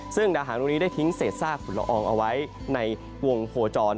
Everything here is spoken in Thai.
ซึ่งดาหารตรงนี้ได้ทิ้งเศษซากฝุ่นละอองเอาไว้ในวงโคจร